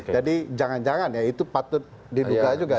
jadi jangan jangan ya itu patut diduga juga